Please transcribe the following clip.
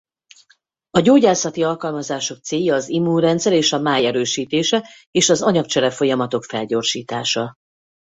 A gyógyászati alkalmazások célja az immunrendszer és a máj erősítése és az anyagcsere-folyamatok felgyorsítása.